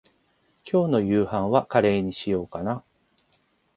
今日の夕飯はカレーにしようかな。